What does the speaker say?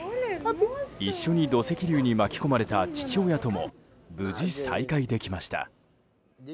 一緒に土石流に巻き込まれた父親とも無事、再会できました。